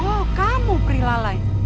oh kamu prilalai